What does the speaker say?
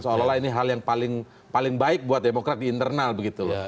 seolah olah ini hal yang paling baik buat demokrat di internal begitu loh